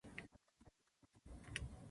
島原の乱の天草四郎